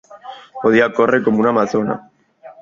Podia córrer com una amazona.